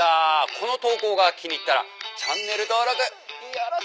この投稿が気に入ったらチャンネル登録よろしくお願いします。